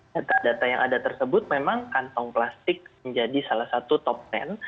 data data yang ada tersebut memang kantong plastik menjadi salah satu top sepuluh